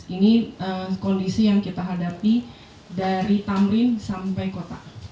ini kondisi yang kita hadapi dari tamrin sampai kota